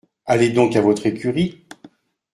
Allez donc à votre écurie !